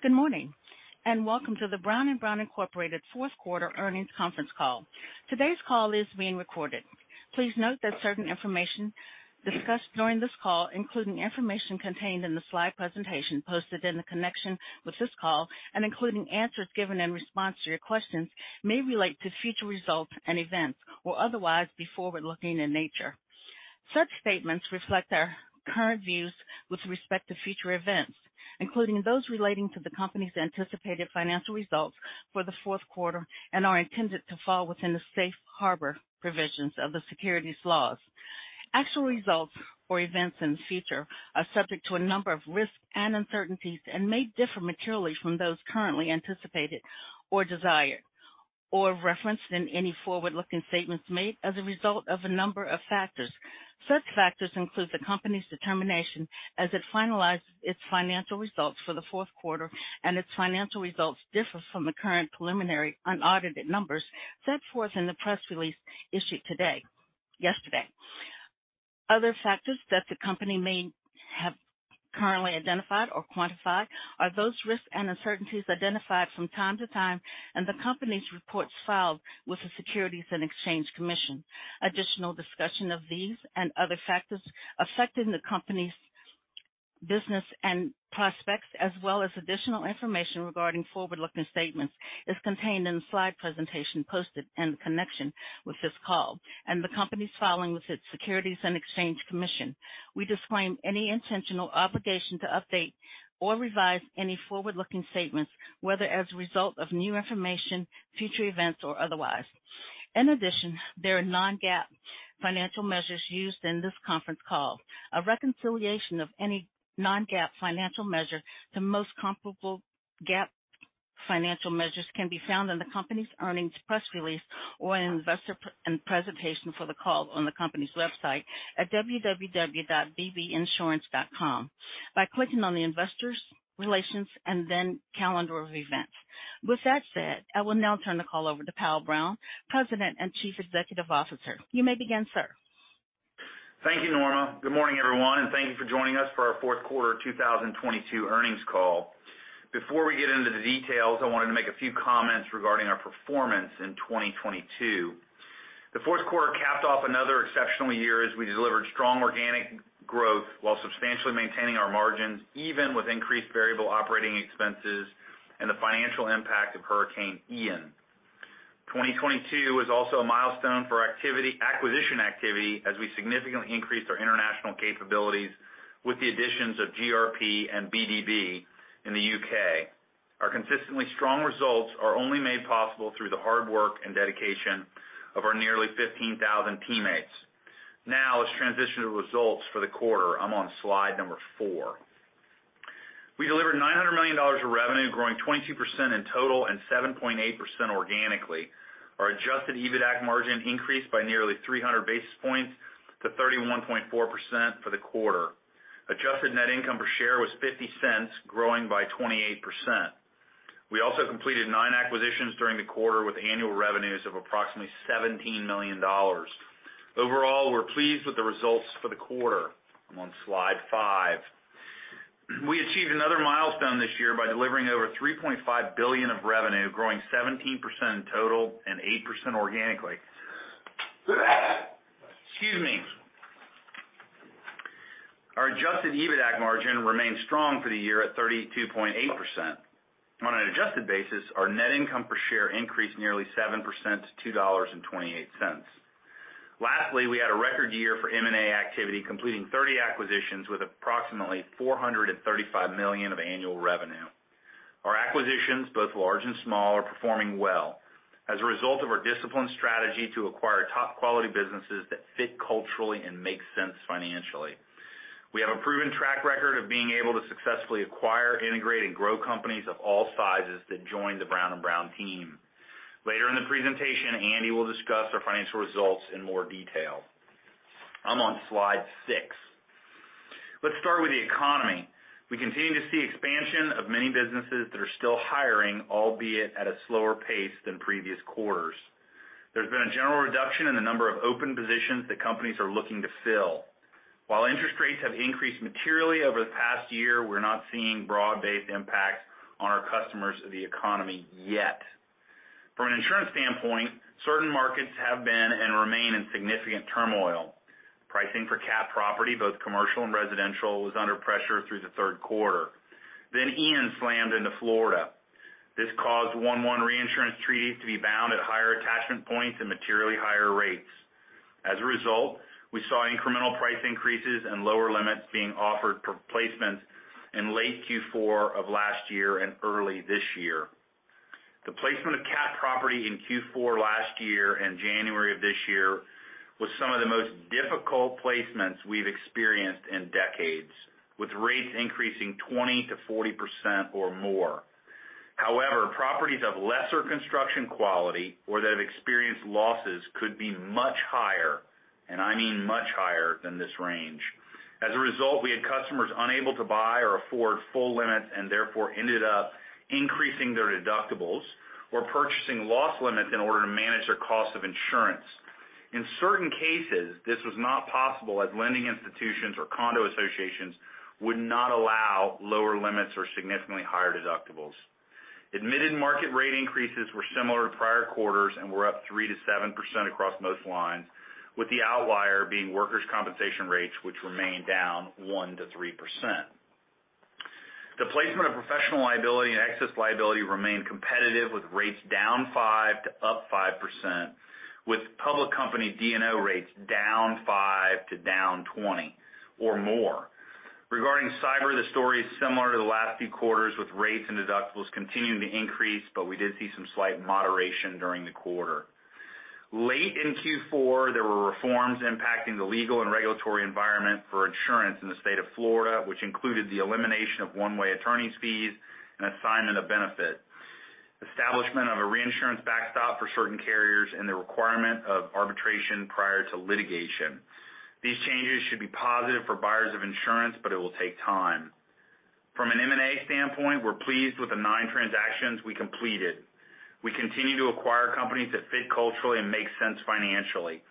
Good morning. Welcome to the Brown & Brown Incorporated fourth quarter earnings conference call. Today's call is being recorded. Please note that certain information discussed during this call, including information contained in the slide presentation posted in the connection with this call and including answers given in response to your questions, may relate to future results and events or otherwise be forward-looking in nature. Such statements reflect our current views with respect to future events, including those relating to the company's anticipated financial results for the fourth quarter and are intended to fall within the safe harbor provisions of the securities laws. Actual results or events in the future are subject to a number of risks and uncertainties and may differ materially from those currently anticipated or desired or referenced in any forward-looking statements made as a result of a number of factors. Such factors include the company's determination as it finalizes its financial results for the fourth quarter and its financial results differ from the current preliminary unaudited numbers set forth in the press release issued yesterday. Other factors that the company may have currently identified or quantified are those risks and uncertainties identified from time to time in the company's reports filed with the Securities and Exchange Commission. Additional discussion of these and other factors affecting the company's business and prospects, as well as additional information regarding forward-looking statements, is contained in the slide presentation posted in connection with this call and the company's filing with its Securities and Exchange Commission. We disclaim any intentional obligation to update or revise any forward-looking statements, whether as a result of new information, future events, or otherwise. In addition, there are non-GAAP financial measures used in this conference call. A reconciliation of any non-GAAP financial measure to the most comparable GAAP financial measures can be found in the company's earnings press release or investor presentation for the call on the company's website at www.bbinsurance.com by clicking on the Investor Relations and then Calendar of Events. With that said, I will now turn the call over to Powell Brown, President and Chief Executive Officer. You may begin, sir. Thank you, Norma. Good morning, everyone, thank you for joining us for our fourth quarter 2022 earnings call. Before we get into the details, I wanted to make a few comments regarding our performance in 2022. The fourth quarter capped off another exceptional year as we delivered strong organic growth while substantially maintaining our margins, even with increased variable operating expenses and the financial impact of Hurricane Ian. 2022 was also a milestone for acquisition activity as we significantly increased our international capabilities with the additions of GRP and BdB in the U.K. Our consistently strong results are only made possible through the hard work and dedication of our nearly 15,000 teammates. Now, let's transition to results for the quarter. I'm on slide number four. We delivered $900 million of revenue, growing 22% in total and 7.8% organically. Our Adjusted EBITDAC margin increased by nearly 300 basis points to 31.4% for the quarter. Adjusted net income per share was $0.50, growing by 28%. We also completed nine acquisitions during the quarter with annual revenues of approximately $17 million. Overall, we're pleased with the results for the quarter. I'm on slide five. We achieved another milestone this year by delivering over $3.5 billion of revenue, growing 17% in total and 8% organically. Excuse me. Our Adjusted EBITDAC margin remained strong for the year at 32.8%. On an adjusted basis, our net income per share increased nearly 7% to $2.28. Lastly, we had a record year for M&A activity, completing 30 acquisitions with approximately $435 million of annual revenue. Our acquisitions, both large and small, are performing well as a result of our disciplined strategy to acquire top-quality businesses that fit culturally and make sense financially. We have a proven track record of being able to successfully acquire, integrate, and grow companies of all sizes that join the Brown & Brown team. Later in the presentation, Andy will discuss our financial results in more detail. I'm on slide six. Let's start with the economy. We continue to see expansion of many businesses that are still hiring, albeit at a slower pace than previous quarters. There's been a general reduction in the number of open positions that companies are looking to fill. While interest rates have increased materially over the past year, we're not seeing broad-based impacts on our customers or the economy yet. From an insurance standpoint, certain markets have been and remain in significant turmoil. Pricing for catastrophe property, both commercial and residential, was under pressure through the third quarter. Ian slammed into Florida. This caused 1-1 reinsurance treaties to be bound at higher attachment points and materially higher rates. As a result, we saw incremental price increases and lower limits being offered for placement in late Q4 of last year and early this year. The placement of catastrophe property in Q4 last year and January of this year was some of the most difficult placements we've experienced in decades, with rates increasing 20%-40% or more. However, properties of lesser construction quality or that have experienced losses could be much higher, and I mean much higher than this range. As a result, we had customers unable to buy or afford full limits and therefore ended up increasing their deductibles or purchasing loss limits in order to manage their cost of insurance. In certain cases, this was not possible as lending institutions or condo associations would not allow lower limits or significantly higher deductibles. Admitted market rate increases were similar to prior quarters and were up 3%-7% across most lines, with the outlier being workers' compensation rates, which remained down 1%-3%. The placement of professional liability and excess liability remained competitive, with rates -5% to +5%, with public company D&O rates -5% to -20% or more. Regarding cyber, the story is similar to the last few quarters, with rates and deductibles continuing to increase, but we did see some slight moderation during the quarter. Late in Q4, there were reforms impacting the legal and regulatory environment for insurance in the state of Florida, which included the elimination of one-way attorney's fees and assignment of benefits, establishment of a reinsurance backstop for certain carriers, and the requirement of arbitration prior to litigation. These changes should be positive for buyers of insurance, but it will take time. From an M&A standpoint, we're pleased with the nine transactions we completed. We continue to acquire companies that fit culturally and make sense financially.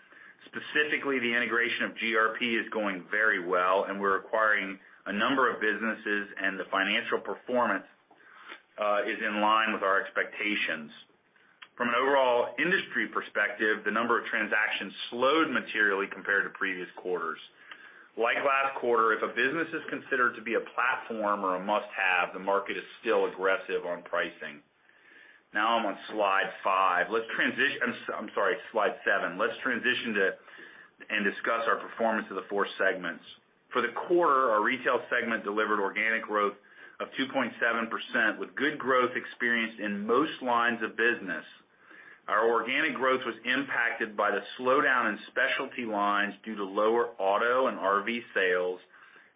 Specifically, the integration of GRP is going very well, and we're acquiring a number of businesses, and the financial performance is in line with our expectations. From an overall industry perspective, the number of transactions slowed materially compared to previous quarters. Like last quarter, if a business is considered to be a platform or a must-have, the market is still aggressive on pricing. Now I'm on slide five. Let's transition, I'm sorry, slide seven. Let's transition to and discuss our performance of the four segments. For the quarter, our Retail segment delivered organic growth of 2.7% with good growth experienced in most lines of business. Our organic growth was impacted by the slowdown in specialty lines due to lower auto and RV sales,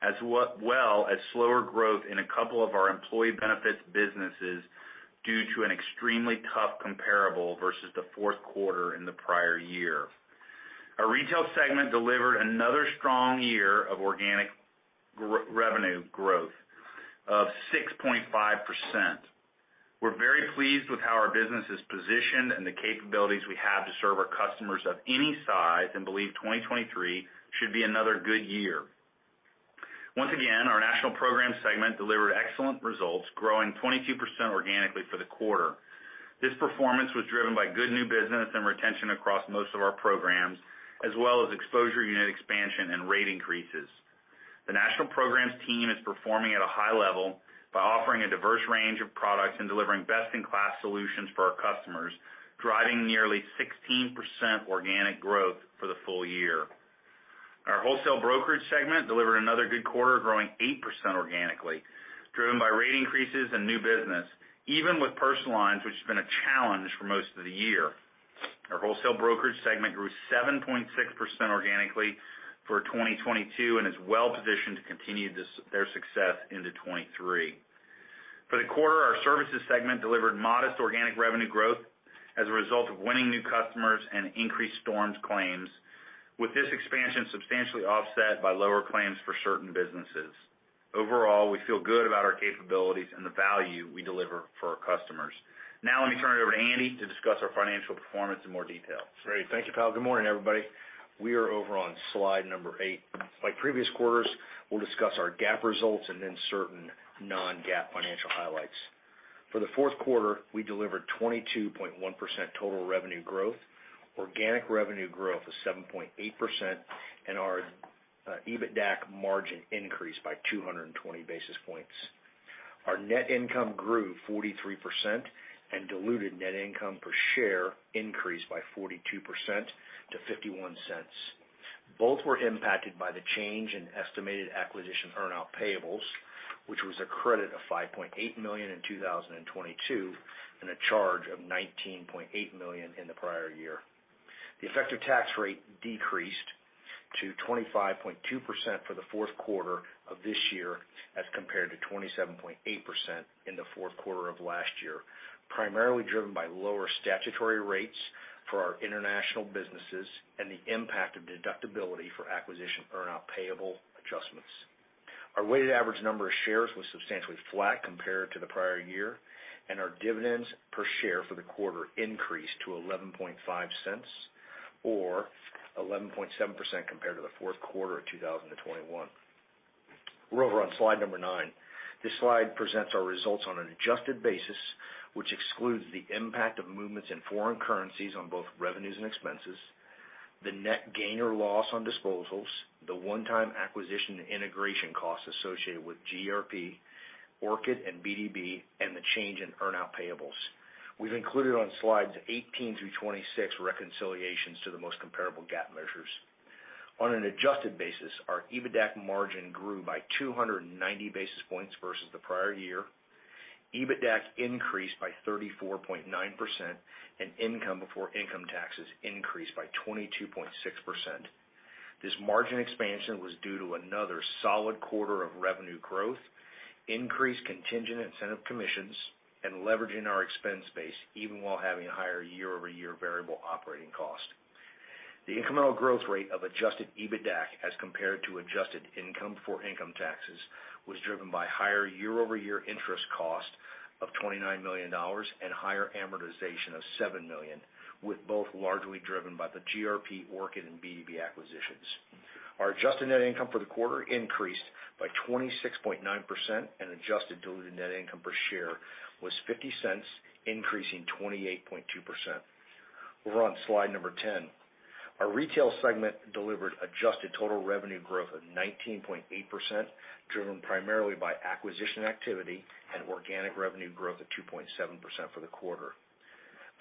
as well as slower growth in a couple of our employee benefits businesses due to an extremely tough comparable versus the fourth quarter in the prior year. Our Retail segment delivered another strong year of organic revenue growth of 6.5%. We're very pleased with how our business is positioned and the capabilities we have to serve our customers of any size and believe 2023 should be another good year. Once again, our National Programs segment delivered excellent results, growing 22% organically for the quarter. This performance was driven by good new business and retention across most of our programs, as well as exposure unit expansion and rate increases. The National Programs team is performing at a high level by offering a diverse range of products and delivering best-in-class solutions for our customers, driving nearly 16% organic growth for the full year. Our Wholesale Brokerage segment delivered another good quarter, growing 8% organically, driven by rate increases and new business, even with personal lines, which has been a challenge for most of the year. Our Wholesale Brokerage segment grew 7.6% organically for 2022 and is well positioned to continue this, their success into 2023. For the quarter, our Services segment delivered modest organic revenue growth as a result of winning new customers and increased storms claims, with this expansion substantially offset by lower claims for certain businesses. Overall, we feel good about our capabilities and the value we deliver for our customers. Let me turn it over to Andy to discuss our financial performance in more detail. Great. Thank you, Powell. Good morning, everybody. We are over on slide number eight. Like previous quarters, we'll discuss our GAAP results and then certain non-GAAP financial highlights. For the fourth quarter, we delivered 22.1% total revenue growth. Organic revenue growth of 7.8% and our EBITDAC margin increased by 220 basis points. Our net income grew 43% and diluted net income per share increased by 42% to $0.51. Both were impacted by the change in estimated acquisition earnout payables, which was a credit of $5.8 million in 2022 and a charge of $19.8 million in the prior year. The effective tax rate decreased to 25.2% for the fourth quarter of this year as compared to 27.8% in the fourth quarter of last year, primarily driven by lower statutory rates for our international businesses and the impact of deductibility for acquisition earnout payable adjustments. Our weighted average number of shares was substantially flat compared to the prior year, and our dividends per share for the quarter increased to $0.115 or 11.7% compared to the fourth quarter of 2021. We're over on slide number nine. This slide presents our results on an adjusted basis, which excludes the impact of movements in foreign currencies on both revenues and expenses, the net gain or loss on disposals, the one-time acquisition and integration costs associated with GRP, Orchid, and BdB, and the change in earnout payables. We've included on slides 18 through 26 reconciliations to the most comparable GAAP measures. On an adjusted basis, our EBITDAC margin grew by 290 basis points versus the prior year. EBITDAC increased by 34.9%, and income before income taxes increased by 22.6%. This margin expansion was due to another solid quarter of revenue growth, increased contingent incentive commissions, and leveraging our expense base even while having higher year-over-year variable operating cost. The incremental growth rate of Adjusted EBITDAC as compared to adjusted income for income taxes was driven by higher year-over-year interest cost of $29 million and higher amortization of $7 million, with both largely driven by the GRP, Orchid, and BdB acquisitions. Our adjusted net income for the quarter increased by 26.9% and adjusted diluted net income per share was $0.50, increasing 28.2%. We're on slide number 10. Our Retail segment delivered adjusted total revenue growth of 19.8%, driven primarily by acquisition activity and organic revenue growth of 2.7% for the quarter.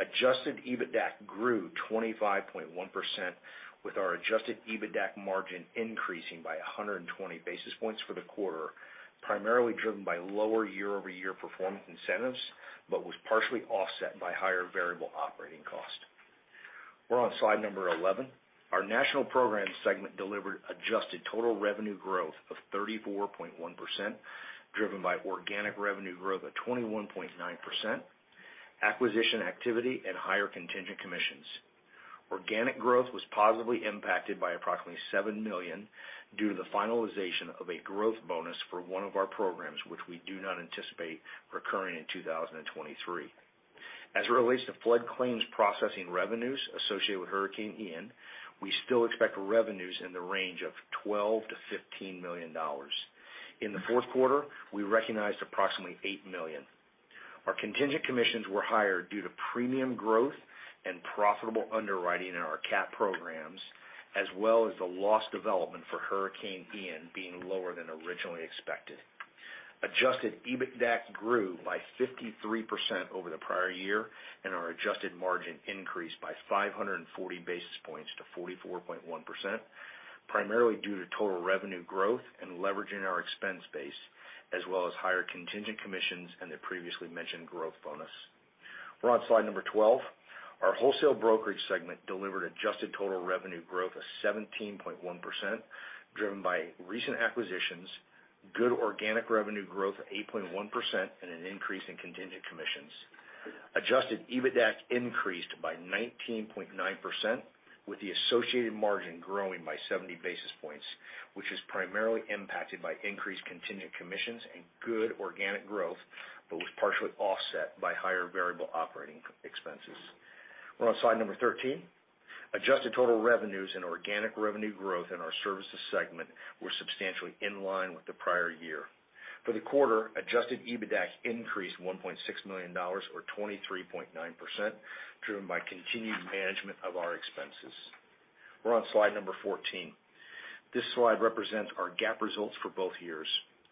Adjusted EBITDAC grew 25.1%, with our Adjusted EBITDAC margin increasing by 120 basis points for the quarter, primarily driven by lower year-over-year performance incentives, but was partially offset by higher variable operating cost. We're on slide number 11. Our National Programs segment delivered adjusted total revenue growth of 34.1%, driven by organic revenue growth of 21.9%, acquisition activity and higher contingent commissions. Organic growth was positively impacted by approximately $7 million due to the finalization of a growth bonus for one of our programs, which we do not anticipate recurring in 2023. As it relates to flood claims processing revenues associated with Hurricane Ian, we still expect revenues in the range of $12 million-$15 million. In the fourth quarter, we recognized approximately $8 million. Our contingent commissions were higher due to premium growth and profitable underwriting in our cap programs, as well as the loss development for Hurricane Ian being lower than originally expected. Adjusted EBITDAC grew by 53% over the prior year, and our adjusted margin increased by 540 basis points to 44.1%, primarily due to total revenue growth and leveraging our expense base, as well as higher contingent commissions and the previously mentioned growth bonus. We're on slide number 12. Our Wholesale Brokerage segment delivered adjusted total revenue growth of 17.1%, driven by recent acquisitions, good organic revenue growth of 8.1%, and an increase in contingent commissions. Adjusted EBITDAC increased by 19.9%, with the associated margin growing by 70 basis points, which is primarily impacted by increased contingent commissions and good organic growth, but was partially offset by higher variable operating expenses. We're on slide number 13. Adjusted total revenues and organic revenue growth in our Services segment were substantially in line with the prior year. For the quarter, Adjusted EBITDAC increased $1.6 million, or 23.9%, driven by continued management of our expenses. We're on slide number 14. This slide represents our GAAP results for both years.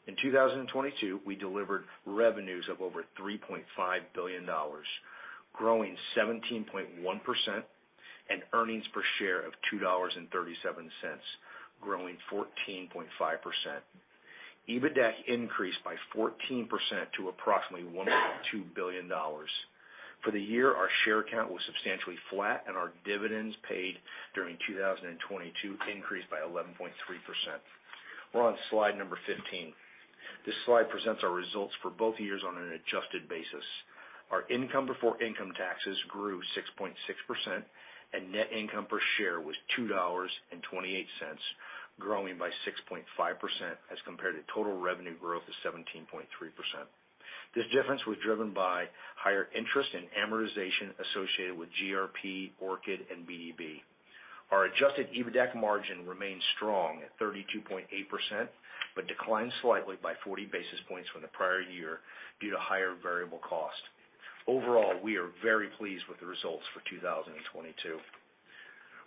In 2022, we delivered revenues of over $3.5 billion, growing 17.1%, and earnings per share of $2.37, growing 14.5%. EBITDAC increased by 14% to approximately $1.2 billion. For the year, our share count was substantially flat, and our dividends paid during 2022 increased by 11.3%. We're on slide number 15. This slide presents our results for both years on an adjusted basis. Our income before income taxes grew 6.6%, and net income per share was $2.28, growing by 6.5% as compared to total revenue growth of 17.3%. This difference was driven by higher interest and amortization associated with GRP, Orchid, and BdB. Our Adjusted EBITDAC margin remains strong at 32.8%, but declined slightly by 40 basis points from the prior year due to higher variable cost. Overall, we are very pleased with the results for 2022.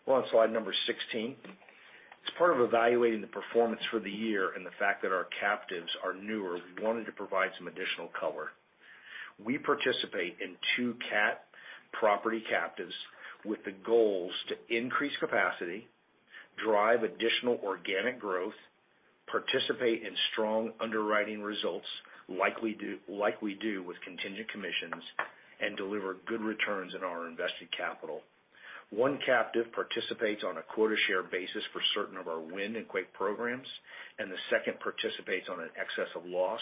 We're on slide number 16. As part of evaluating the performance for the year and the fact that our captives are newer, we wanted to provide some additional color. We participate in two catastrophe property captives with the goals to increase capacity, drive additional organic growth, participate in strong underwriting results, like we do with contingent commissions, and deliver good returns on our invested capital. One captive participates on a quota share basis for certain of our wind and quake programs, and the second participates on an excess of loss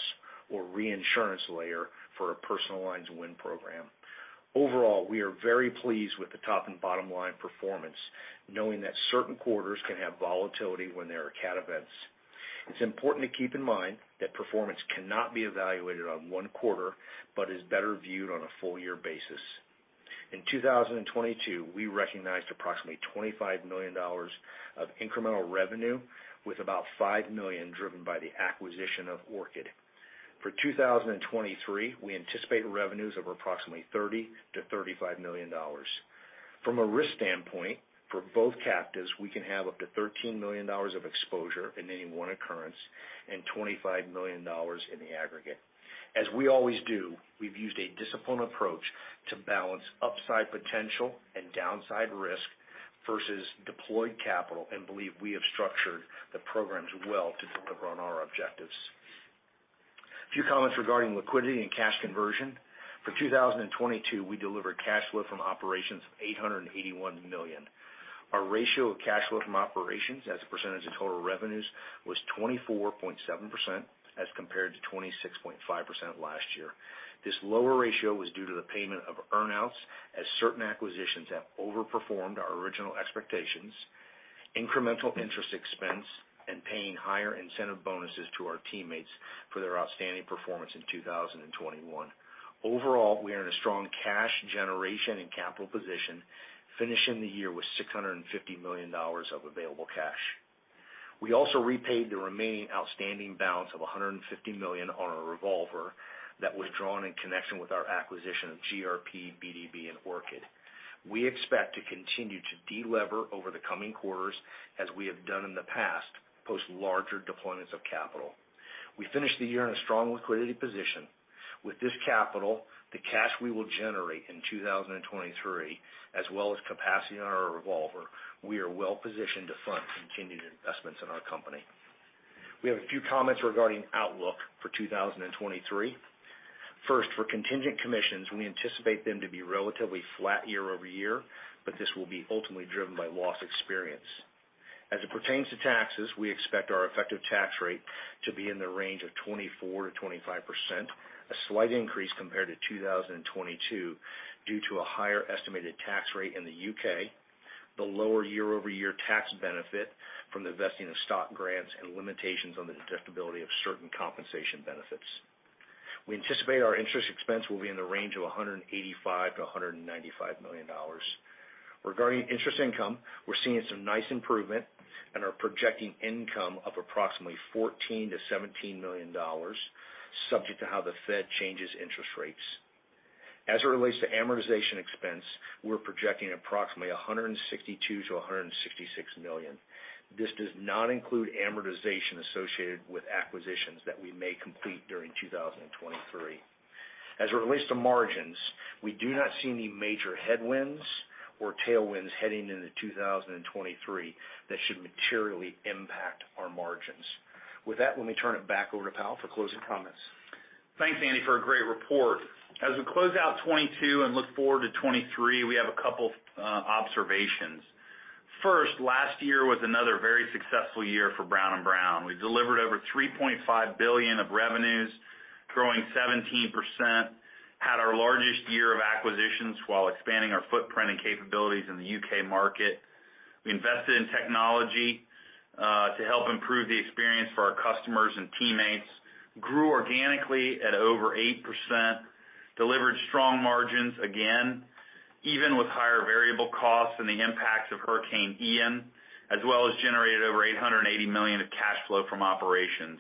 or reinsurance layer for a personal lines wind program. Overall, we are very pleased with the top and bottom line performance, knowing that certain quarters can have volatility when there are CAT events. It's important to keep in mind that performance cannot be evaluated on one quarter, but is better viewed on a full year basis. In 2022, we recognized approximately $25 million of incremental revenue, with about $5 million driven by the acquisition of Orchid. For 2023, we anticipate revenues of approximately $30 million-$35 million. From a risk standpoint, for both captives, we can have up to $13 million of exposure in any one occurrence and $25 million in the aggregate. As we always do, we've used a disciplined approach to balance upside potential and downside risk versus deployed capital and believe we have structured the programs well to deliver on our objectives. A few comments regarding liquidity and cash conversion. For 2022, we delivered cash flow from operations of $881 million. Our ratio of cash flow from operations as a percentage of total revenues was 24.7% as compared to 26.5% last year. This lower ratio was due to the payment of earnouts as certain acquisitions have overperformed our original expectations, incremental interest expense, and paying higher incentive bonuses to our teammates for their outstanding performance in 2021. Overall, we are in a strong cash generation and capital position, finishing the year with $650 million of available cash. We also repaid the remaining outstanding balance of $150 million on our revolver that was drawn in connection with our acquisition of GRP, BdB, and Orchid. We expect to continue to de-lever over the coming quarters as we have done in the past, post larger deployments of capital. We finished the year in a strong liquidity position. With this capital, the cash we will generate in 2023, as well as capacity on our revolver, we are well-positioned to fund continued investments in our company. We have a few comments regarding outlook for 2023. First, for contingent commissions, we anticipate them to be relatively flat year-over-year, but this will be ultimately driven by loss experience. As it pertains to taxes, we expect our effective tax rate to be in the range of 24%-25%, a slight increase compared to 2022 due to a higher estimated tax rate in the U.K., the lower year-over-year tax benefit from the vesting of stock grants and limitations on the deductibility of certain compensation benefits. We anticipate our interest expense will be in the range of $185 million-$195 million. Regarding interest income, we're seeing some nice improvement and are projecting income of approximately $14 million-$17 million, subject to how the Fed changes interest rates. As it relates to amortization expense, we're projecting approximately $162 million-$166 million. This does not include amortization associated with acquisitions that we may complete during 2023. As it relates to margins, we do not see any major headwinds or tailwinds heading into 2023 that should materially impact our margins. With that, let me turn it back over to Powell for closing comments. Thanks, Andy, for a great report. As we close out 2022 and look forward to 2023, we have a couple observations. First, last year was another very successful year for Brown & Brown. We delivered over $3.5 billion of revenues, growing 17%, had our largest year of acquisitions while expanding our footprint and capabilities in the U.K. market. We invested in technology to help improve the experience for our customers and teammates, grew organically at over 8%, delivered strong margins again, even with higher variable costs and the impacts of Hurricane Ian, as well as generated over $880 million of cash flow from operations.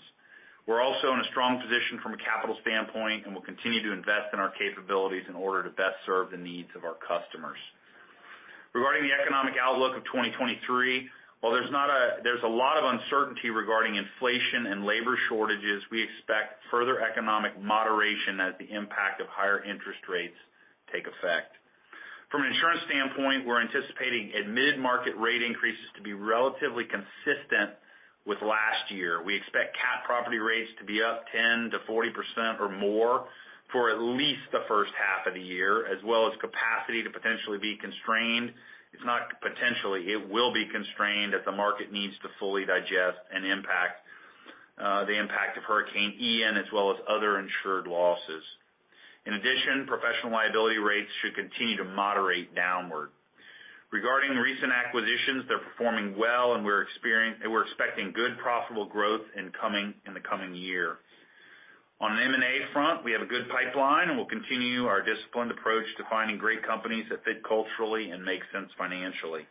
We're also in a strong position from a capital standpoint, and will continue to invest in our capabilities in order to best serve the needs of our customers. Regarding the economic outlook of 2023, while there's a lot of uncertainty regarding inflation and labor shortages, we expect further economic moderation as the impact of higher interest rates take effect. From an insurance standpoint, we're anticipating mid-market rate increases to be relatively consistent with last year. We expect catastrophe property rates to be up 10%-40% or more for at least the first half of the year, as well as capacity to potentially be constrained. It's not potentially, it will be constrained as the market needs to fully digest and impact, the impact of Hurricane Ian, as well as other insured losses. In addition, professional liability rates should continue to moderate downward. Regarding recent acquisitions, they're performing well and we're expecting good profitable growth in the coming year. On an M&A front, we have a good pipeline, we'll continue our disciplined approach to finding great companies that fit culturally and make sense financially.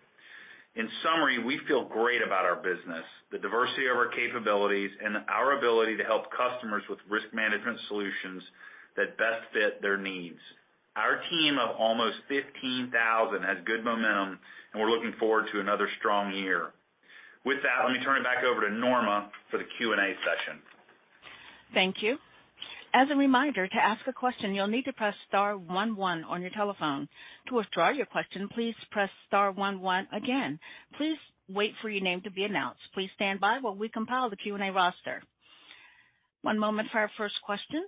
In summary, we feel great about our business, the diversity of our capabilities, and our ability to help customers with risk management solutions that best fit their needs. Our team of almost 15,000 has good momentum, we're looking forward to another strong year. With that, let me turn it back over to Norma for the Q&A session. Thank you. As a reminder, to ask a question, you'll need to press star one one on your telephone. To withdraw your question, please press star one one again. Please wait for your name to be announced. Please stand by while we compile the Q&A roster. One moment for our first question.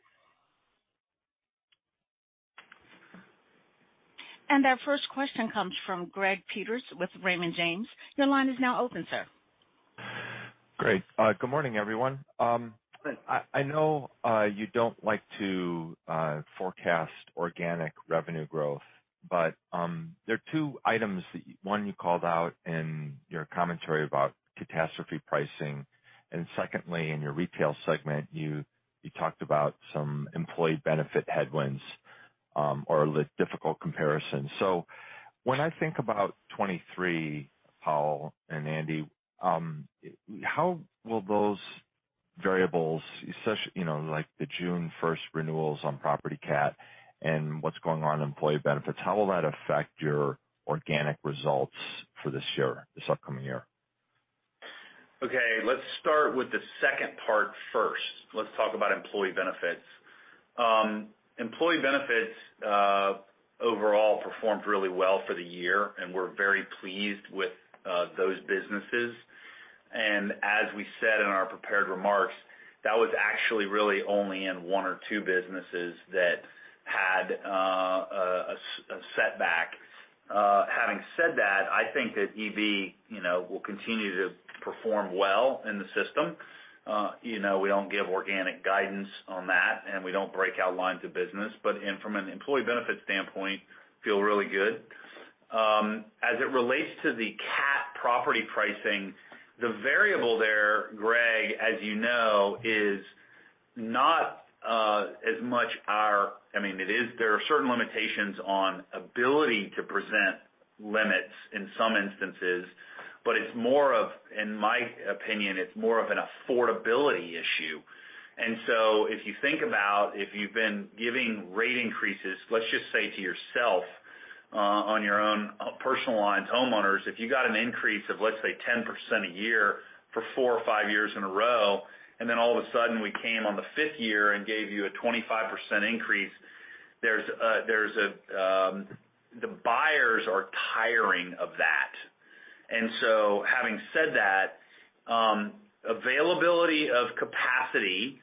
Our first question comes from Greg Peters with Raymond James. Your line is now open, sir. Great. Good morning, everyone. I know you don't like to forecast organic revenue growth, there are two items that one you called out in your commentary about catastrophe pricing, and secondly, in your Retail segment, you talked about some employee benefit headwinds, or the difficult comparison. When I think about 2023, Powell and Andy, how will those variables, such, you know, like the June 1st, 2023 renewals on property CAT and what's going on in employee benefits, how will that affect your organic results for this year, this upcoming year? Let's start with the second part first. Let's talk about employee benefits. Employee benefits overall performed really well for the year, and we're very pleased with those businesses. As we said in our prepared remarks, that was actually really only in one or two businesses that had a setback. Having said that, I think that EB, you know, will continue to perform well in the system. You know, we don't give organic guidance on that, and we don't break out lines of business. From an employee benefit standpoint, feel really good. As it relates to the CAT property pricing, the variable there, Greg, as you know, is not as much our... I mean, there are certain limitations on ability to present limits in some instances, but it's more of, in my opinion, it's more of an affordability issue. If you think about if you've been giving rate increases, let's just say to yourself, on your own personal lines, homeowners, if you got an increase of, let's say, 10% a year for four or five years in a row, and then all of a sudden we came on the fifth year and gave you a 25% increase, there's a... The buyers are tiring of that. Having said that, availability of capacity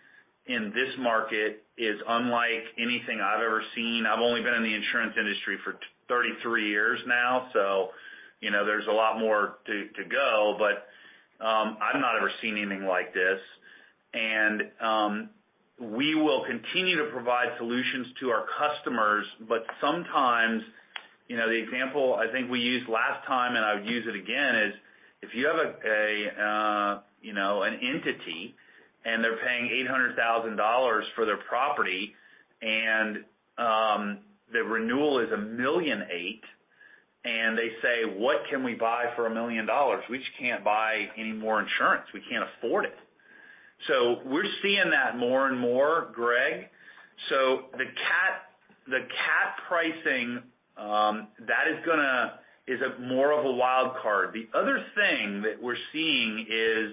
in this market is unlike anything I've ever seen. I've only been in the insurance industry for 33 years now, so, you know, there's a lot more to go. I've not ever seen anything like this. We will continue to provide solutions to our customers. Sometimes, you know, the example I think we used last time, and I would use it again, is if you have a, you know, an entity and they're paying $800,000 for their property and the renewal is $1.8 million, and they say, "What can we buy for $1 million? We just can't buy any more insurance. We can't afford it." We're seeing that more and more, Greg. The CAT pricing, is a more of a wild card. The other thing that we're seeing is,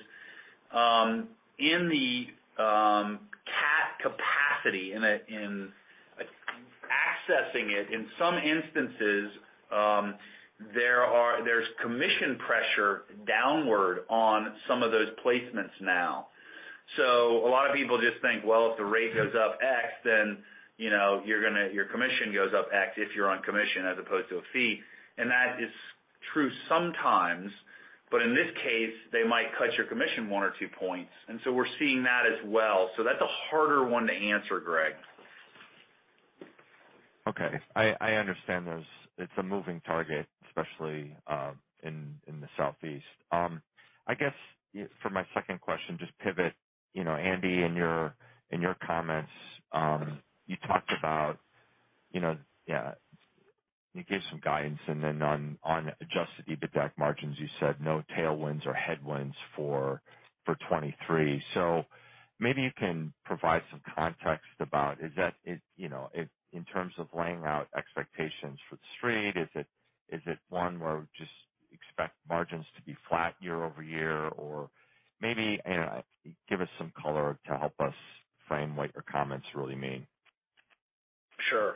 in the CAT capacity, in accessing it, in some instances, there's commission pressure downward on some of those placements now. A lot of people just think, well, if the rate goes up X, then, you know, your commission goes up X if you're on commission as opposed to a fee. That is true sometimes, but in this case, they might cut your commission 1 or 2 points. We're seeing that as well. That's a harder one to answer, Greg. Okay. I understand those. It's a moving target, especially in the Southeast. I guess for my second question, just pivot. You know, Andy, in your comments, you talked about, you know, yeah, you gave some guidance, and then on Adjusted EBITDAC margins, you said no tailwinds or headwinds for 2023. Maybe you can provide some context about is that it, you know, in terms of laying out expectations for the street, is it one where we just expect margins to be flat year-over-year? Or maybe, I don't know, give us some color to help us frame what your comments really mean. Sure.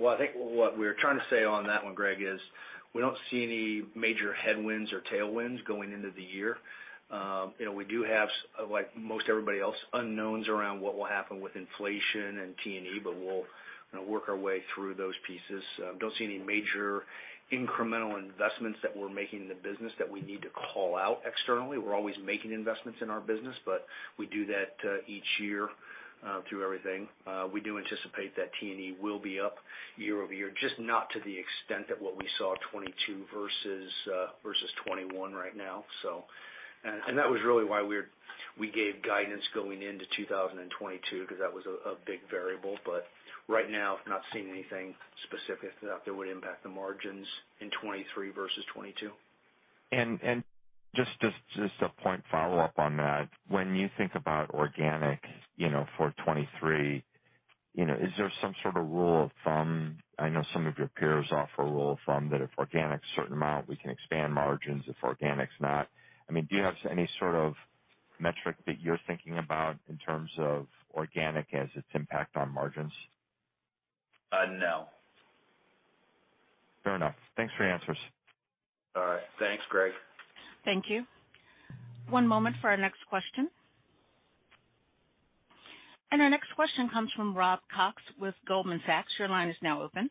Well, I think what we're trying to say on that one, Greg, is we don't see any major headwinds or tailwinds going into the year. You know, we do have, like most everybody else, unknowns around what will happen with inflation and T&E, but we'll, you know, work our way through those pieces. Don't see any major incremental investments that we're making in the business that we need to call out externally. We're always making investments in our business, but we do that each year through everything. We do anticipate that T&E will be up year-over-year, just not to the extent of what we saw 2022 versus 2021 right now, so. That was really why we gave guidance going into 2022, 'cause that was a big variable. Right now, I've not seen anything specific that would impact the margins in 2023 versus 2022. Just a point follow-up on that. When you think about organic, you know, for 2023, you know, is there some sort of rule of thumb? I know some of your peers offer a rule of thumb that if organic's a certain amount, we can expand margins, if organic's not. I mean, do you have any sort of metric that you're thinking about in terms of organic as its impact on margins? No. Fair enough. Thanks for your answers. All right. Thanks, Greg. Thank you. One moment for our next question. Our next question comes from Rob Cox with Goldman Sachs. Your line is now open.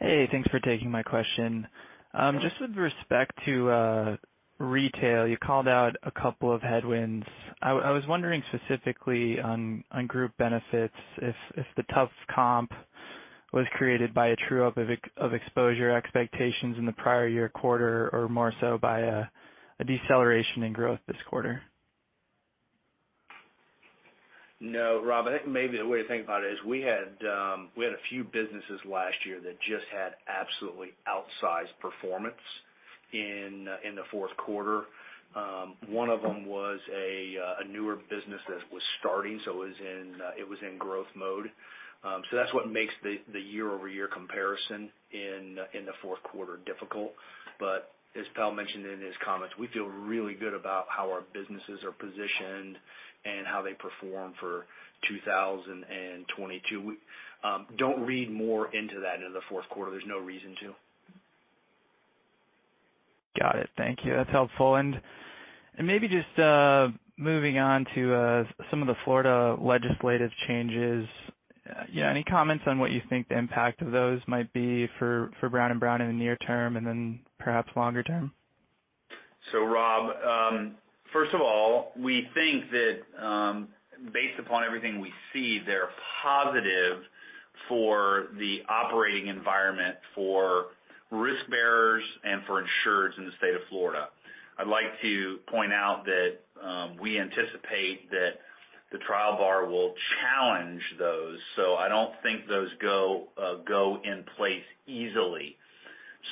Hey, thanks for taking my question. Just with respect to Retail, I was wondering specifically on group benefits if the tough comp was created by a true-up of exposure expectations in the prior year quarter or more so by a deceleration in growth this quarter? No, Rob. I think maybe the way to think about it is we had we had a few businesses last year that just had absolutely outsized performance in the fourth quarter. One of them was a newer business that was starting, it was in growth mode. That's what makes the year-over-year comparison in the fourth quarter difficult. As Powell mentioned in his comments, we feel really good about how our businesses are positioned and how they perform for 2022. We don't read more into that in the fourth quarter. There's no reason to. Got it. Thank you. That's helpful. Maybe just moving on to some of the Florida legislative changes. Yeah, any comments on what you think the impact of those might be for Brown & Brown in the near term and then perhaps longer term? Rob, first of all, we think that, based upon everything we see, they're positive for the operating environment for risk bearers and for insurers in the state of Florida. I'd like to point out that, we anticipate that the trial bar will challenge those. I don't think those go in place easily.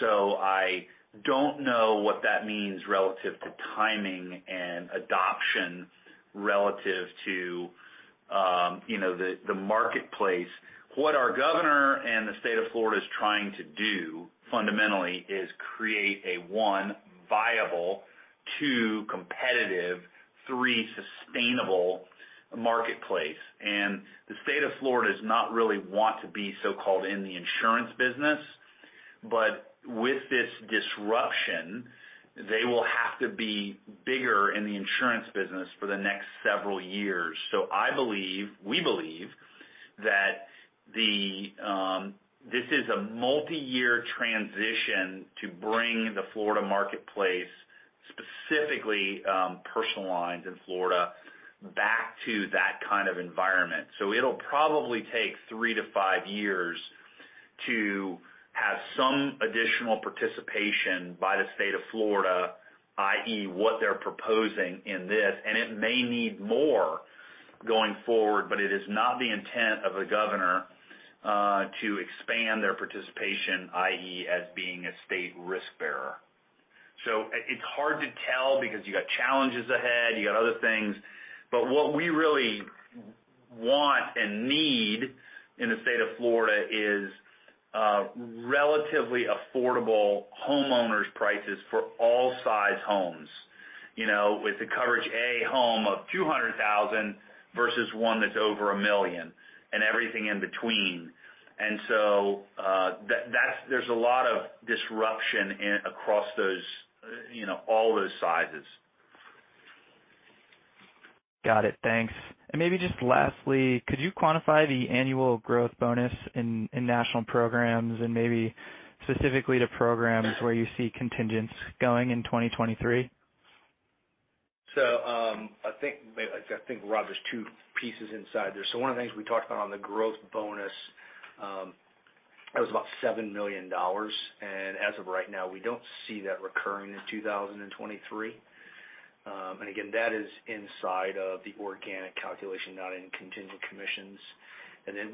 I don't know what that means relative to timing and adoption relative to, you know, the marketplace. What our governor and the state of Florida is trying to do fundamentally is create a, one, viable, two, competitive, three, sustainable marketplace. The state of Florida does not really want to be so-called in the insurance business. With this disruption, they will have to be bigger in the insurance business for the next several years. I believe, we believe that this is a multiyear transition to bring the Florida marketplace, specifically, personal lines in Florida back to that kind of environment. It'll probably take three to five years to have some additional participation by the state of Florida, i.e. what they're proposing in this, and it may need more going forward, but it is not the intent of the governor to expand their participation, i.e. as being a state risk bearer. It's hard to tell because you got challenges ahead, you got other things. What we really want and need in the state of Florida is relatively affordable homeowners prices for all size homes, you know, with the Coverage A home of $200,000 versus one that's over $1 million, and everything in between. That's there's a lot of disruption across those, you know, all those sizes. Got it. Thanks. Maybe just lastly, could you quantify the annual growth bonus in National Programs and maybe specifically to programs where you see contingents going in 2023? I think, Rob, there's two pieces inside there. One of the things we talked about on the growth bonus, that was about $7 million. As of right now, we don't see that recurring in 2023. Again, that is inside of the organic calculation, not in contingent commissions.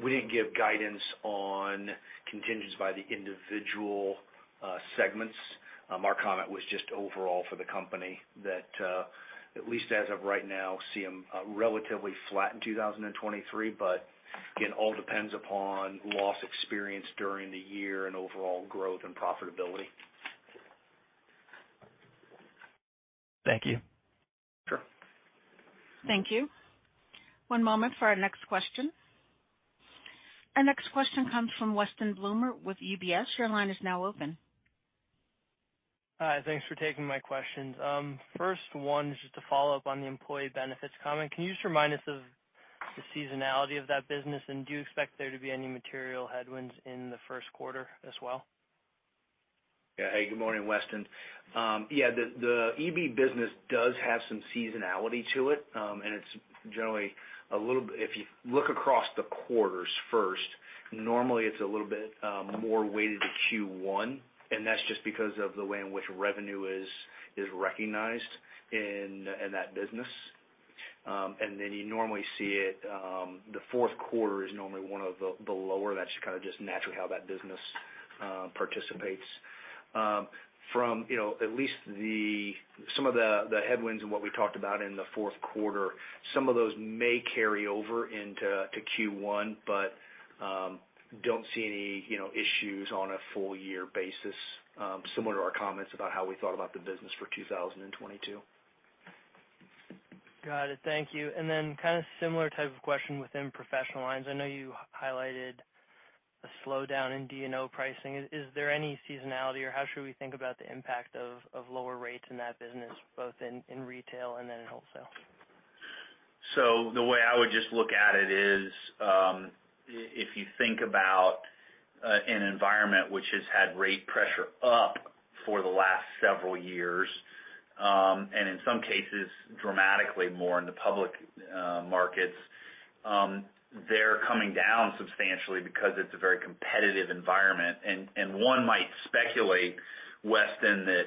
We didn't give guidance on contingents by the individual segments. Our comment was just overall for the company that, at least as of right now, see them relatively flat in 2023. Again, all depends upon loss experience during the year and overall growth and profitability. Thank you. Sure. Thank you. One moment for our next question. Our next question comes from Weston Bloomer with UBS. Your line is now open. Hi. Thanks for taking my questions. First one is just a follow-up on the employee benefits comment. Can you just remind us of the seasonality of that business, and do you expect there to be any material headwinds in the first quarter as well? Hey, good morning, Weston. The EB business does have some seasonality to it, and it's generally If you look across the quarters first, normally it's a little bit more weighted to Q1, and that's just because of the way in which revenue is recognized in that business. Then you normally see it, the fourth quarter is normally one of the lower. That's kind of just naturally how that business participates. From, you know, at least the, some of the headwinds and what we talked about in the fourth quarter, some of those may carry over into to Q1, don't see any, you know, issues on a full year basis, similar to our comments about how we thought about the business for 2022. Got it. Thank you. Then kind of similar type of question within professional lines. I know you highlighted a slowdown in D&O pricing. Is there any seasonality or how should we think about the impact of lower rates in that business both in Retail and then in Wholesale? The way I would just look at it is, if you think about an environment which has had rate pressure up for the last several years, and in some cases dramatically more in the public markets, they're coming down substantially because it's a very competitive environment. One might speculate, Weston, that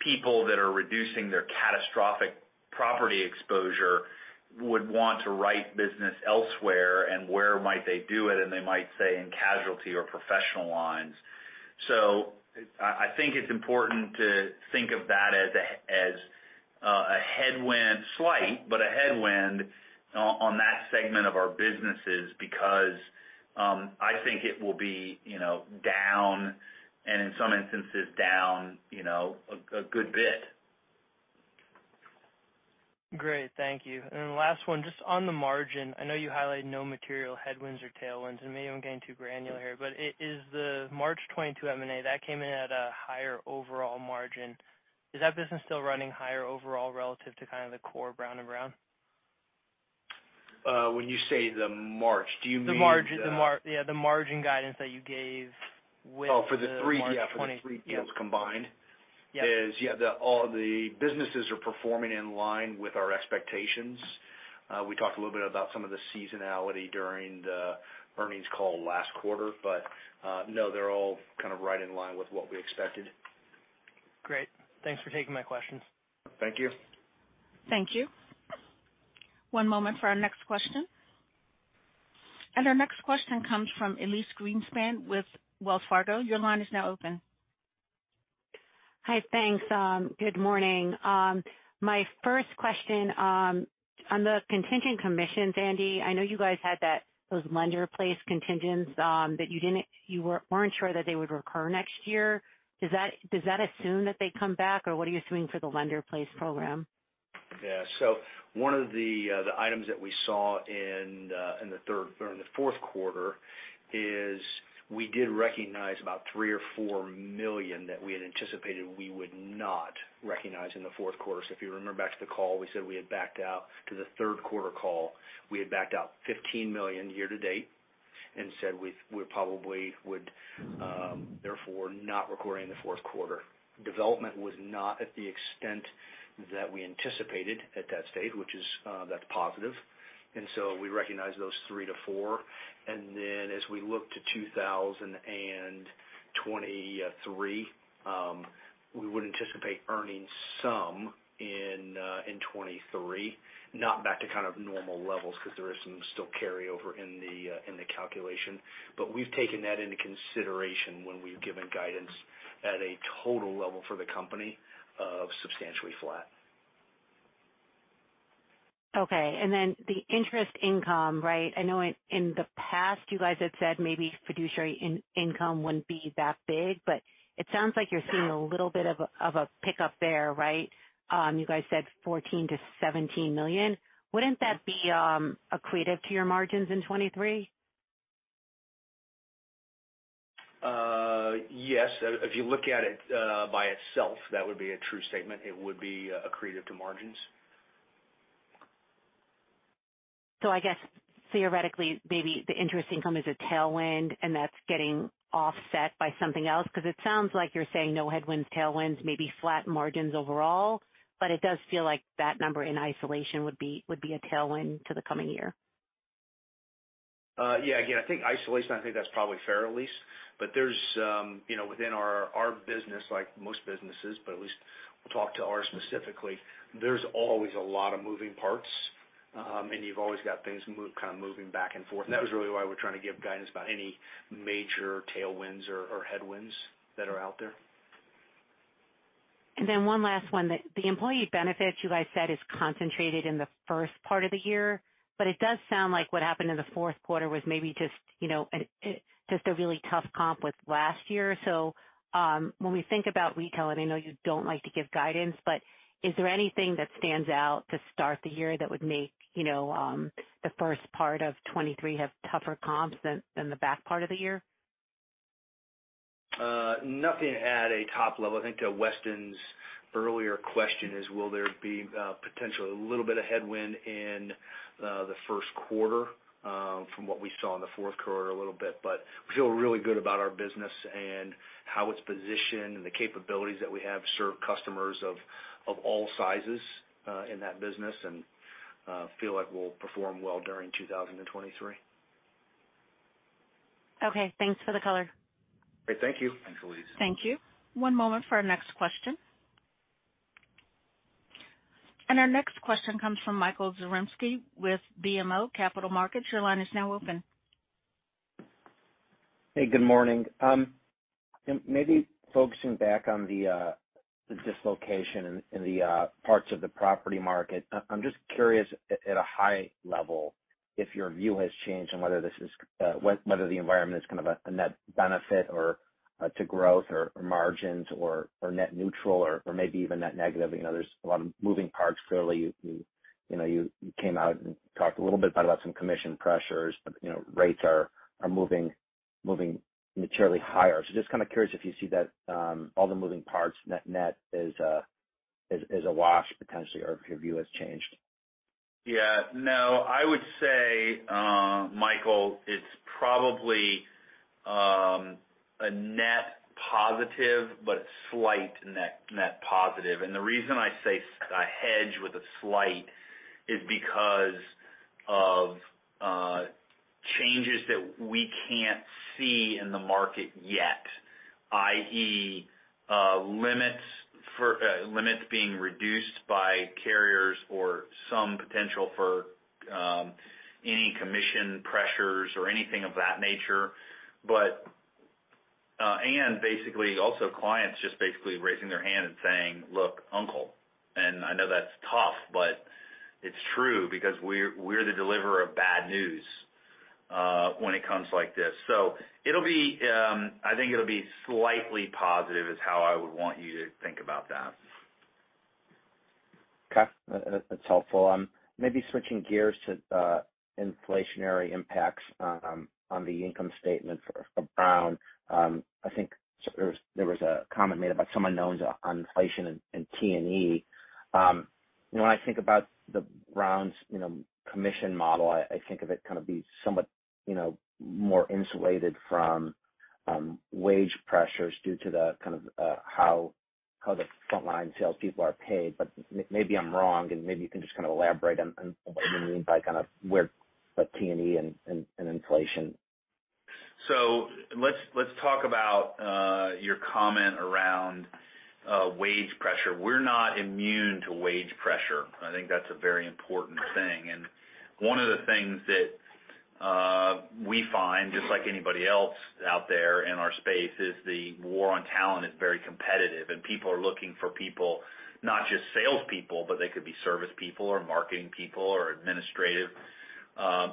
people that are reducing their catastrophe property exposure would want to write business elsewhere and where might they do it, and they might say in casualty or professional lines. I think it's important to think of that as a headwind, slight, but a headwind on that segment of our businesses because I think it will be, you know, down and in some instances down, you know, a good bit. Great. Thank you. Last one, just on the margin. I know you highlighted no material headwinds or tailwinds, and maybe I'm getting too granular here, but it is the March 2022 M&A that came in at a higher overall margin. Is that business still running higher overall relative to kind of the core Brown & Brown? When you say the March, do you mean? Yeah, the margin guidance that you gave with the March... Oh, for the three, yeah. Yeah. For the three deals combined. Yeah. Yeah, all the businesses are performing in line with our expectations. We talked a little bit about some of the seasonality during the earnings call last quarter, but no, they're all kind of right in line with what we expected. Great. Thanks for taking my questions. Thank you. Thank you. One moment for our next question. Our next question comes from Elyse Greenspan with Wells Fargo. Your line is now open. Hi. Thanks. good morning. my first question, on the contingent commissions, Andy, I know you guys had that, those lender-placed contingents, weren't sure that they would recur next year. Does that assume that they come back, or what are you assuming for the lender-placed program? One of the items that we saw in the third or in the fourth quarter is we did recognize about $3 million or $4 million that we had anticipated we would not recognize in the fourth quarter. If you remember back to the call, we said we had backed out to the third quarter call. We had backed out $15 million year-to-date and said we probably would, therefore not recur in the fourth quarter. Development was not at the extent that we anticipated at that stage, which is, that's positive. We recognize those $3 million-$4 million. As we look to 2023, we would anticipate earnings some in 2023. Not back to kind of normal levels because there is some still carry over in the in the calculation. We've taken that into consideration when we've given guidance at a total level for the company of substantially flat. Okay. The interest income, right? I know in the past you guys had said maybe fiduciary income wouldn't be that big, but it sounds like you're seeing a little bit of a pickup there, right? You guys said $14 million-$17 million. Wouldn't that be accretive to your margins in 2023? Yes. If you look at it, by itself, that would be a true statement. It would be accretive to margins. I guess theoretically, maybe the interest income is a tailwind and that's getting offset by something else because it sounds like you're saying no headwinds, tailwinds, maybe flat margins overall. It does feel like that number in isolation would be a tailwind to the coming year. Yeah. Again, I think isolation, I think that's probably fair, Elyse. There's, you know, within our business, like most businesses, but at least we'll talk to ours specifically, there's always a lot of moving parts, and you've always got things kind of moving back and forth. That was really why we're trying to give guidance about any major tailwinds or headwinds that are out there. One last one. The employee benefits you guys said is concentrated in the first part of the year, but it does sound like what happened in the fourth quarter was maybe just, you know, just a really tough comp with last year. When we think about Retail, and I know you don't like to give guidance, but is there anything that stands out to start the year that would make, you know, the first part of 2023 have tougher comps than the back part of the year? Nothing at a top level. I think to Weston's earlier question is, will there be potentially a little bit of headwind in the first quarter from what we saw in the fourth quarter a little bit. We feel really good about our business and how it's positioned and the capabilities that we have to serve customers of all sizes in that business and feel like we'll perform well during 2023. Okay. Thanks for the color. Great. Thank you. Thanks, Elyse. Thank you. One moment for our next question. Our next question comes from Michael Zaremski with BMO Capital Markets. Your line is now open. Hey, good morning. Maybe focusing back on the dislocation in the parts of the property market. I'm just curious at a high level if your view has changed on whether this is whether the environment is kind of a net benefit or to growth or margins or net neutral or maybe even net negative. You know, there's a lot of moving parts. Clearly, you know, you came out and talked a little bit about some commission pressures, but, you know, rates are moving materially higher. Just kind of curious if you see that all the moving parts net is a wash potentially or if your view has changed. Yeah. No, I would say, Michael, it's probably a net positive but slight net positive. The reason I say I hedge with a slight is because of changes that we can't see in the market yet, i.e., limits for limits being reduced by carriers or some potential for any commission pressures or anything of that nature. Basically also clients just basically raising their hand and saying, "Look, uncle." I know that's tough, but it's true because we're the deliverer of bad news. When it comes like this. It'll be, I think it'll be slightly positive is how I would want you to think about that. Okay. That's helpful. Maybe switching gears to inflationary impacts on the income statement for Brown. I think there was a comment made about some unknowns on inflation and T&E. When I think about the Brown's, you know, commission model, I think of it kind of be somewhat, you know, more insulated from wage pressures due to the kind of how the frontline salespeople are paid. Maybe I'm wrong, and maybe you can just kind of elaborate on what you mean by kind of where like T&E and inflation. Let's talk about your comment around wage pressure. We're not immune to wage pressure. I think that's a very important thing. One of the things that we find, just like anybody else out there in our space, is the war on talent is very competitive, and people are looking for people, not just sales people, but they could be service people or marketing people or administrative,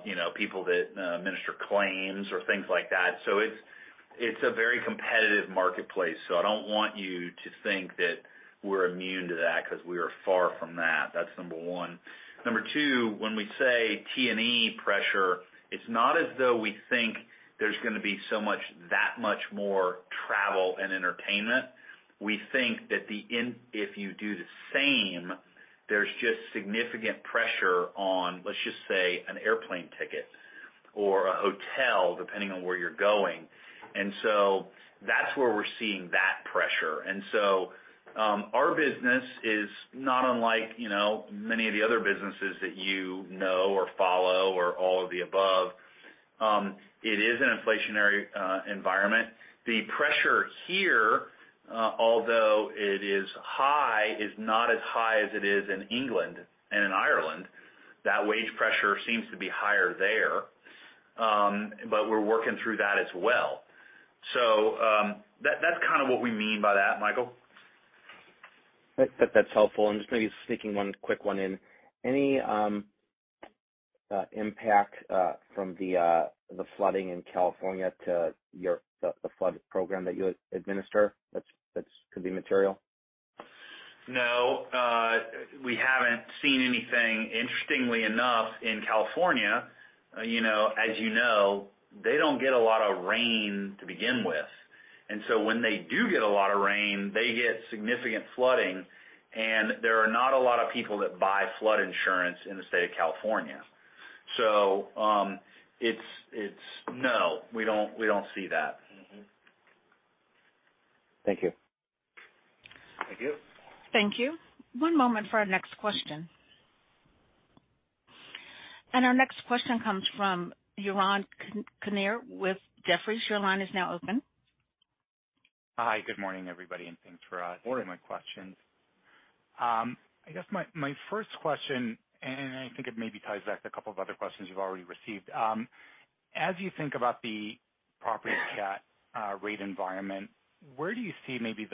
you know, people that administer claims or things like that. It's a very competitive marketplace, so I don't want you to think that we're immune to that because we are far from that. That's number one. Number two, when we say T&E pressure, it's not as though we think there's gonna be so much that much more travel and entertainment. We think that if you do the same, there's just significant pressure on, let's just say, an airplane ticket or a hotel, depending on where you're going. That's where we're seeing that pressure. Our business is not unlike, you know, many of the other businesses that you know or follow or all of the above. It is an inflationary environment. The pressure here, although it is high, is not as high as it is in England and in Ireland. That wage pressure seems to be higher there, but we're working through that as well. That's kind of what we mean by that, Michael. That's helpful. Just maybe sneaking one quick one in. Any impact from the flooding in California to the flood program that you administer that's could be material? No. We haven't seen anything, interestingly enough, in California. You know, as you know, they don't get a lot of rain to begin with. When they do get a lot of rain, they get significant flooding, and there are not a lot of people that buy flood insurance in the state of California. It's no, we don't see that. Mm-hmm. Thank you. Thank you. Thank you. One moment for our next question. Our next question comes from Yaron Kinar with Jefferies. Your line is now open. Hi. Good morning, everybody, and thanks for taking my questions. Morning. I guess my first question, and I think it maybe ties back to a couple of other questions you've already received. As you think about the property CAT rate environment, where do you see maybe